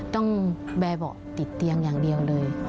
ต้องแบร์เบาะติดเตียงอย่างเดียวเลย